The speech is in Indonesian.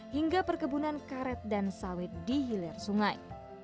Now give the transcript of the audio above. hingga perkebunan karet dan sawit di hilir sungai